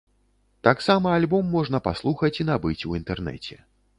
Таксама альбом можна паслухаць і набыць у інтэрнэце.